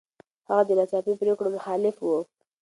هغه د ناڅاپي پرېکړو مخالف و.